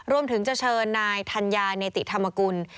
รวมถึงจะเชิญนายธัญญาเนติธรรมกุล